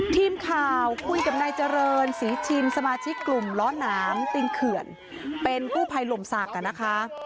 ทีมข่าวคุยกับนายเจริญศรีชินสมาชิกกลุ่มล้อหนามตินเขื่อนเป็นกู้ภัยหล่มศักดิ์นะคะ